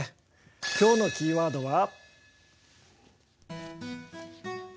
今日のキーワードは。